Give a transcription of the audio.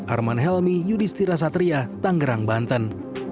arman helmy yudhistira satria tangerang banten